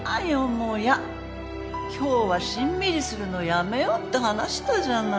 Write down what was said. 今日はしんみりするのやめようって話したじゃない。